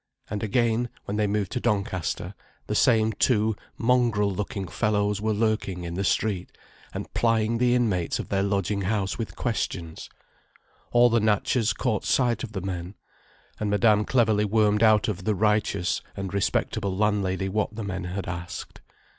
And again, when they moved to Doncaster, the same two mongrel looking fellows were lurking in the street, and plying the inmates of their lodging house with questions. All the Natchas caught sight of the men. And Madame cleverly wormed out of the righteous and respectable landlady what the men had asked.